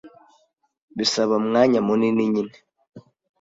Bisaba umwanya munini nyine